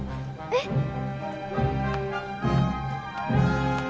えっ！